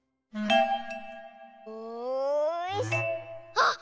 あっ！